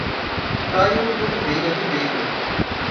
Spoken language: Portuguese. Cairo de Oliveira Ribeiro